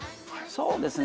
そうですね。